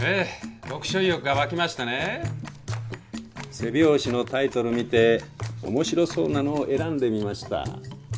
背表紙のタイトル見て面白そうなのを選んでみました。